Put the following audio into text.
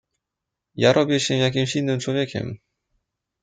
"Ja robię się jakimś innym człowiekiem..."